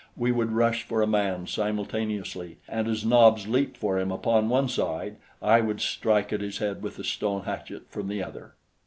We would rush for a man, simultaneously, and as Nobs leaped for him upon one side, I would strike at his head with the stone hatchet from the other.